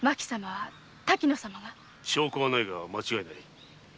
証拠はないが間違いない。